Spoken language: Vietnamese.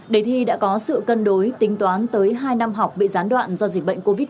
đề thi đã có sự cân đối tính toán tới hai năm học bị gián đoạn do dịch bệnh covid một mươi chín